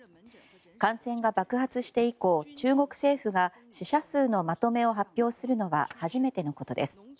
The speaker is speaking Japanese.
感染が爆発して以降中国政府が死者数のまとめを発表するのは初めてのことです。